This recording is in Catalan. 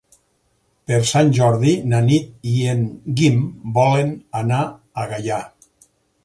Per Sant Jordi na Nit i en Guim volen anar a Gaià.